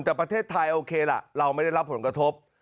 แต่ประเทศไทยโอเคล่ะเราไม่ได้รับผลกระทบ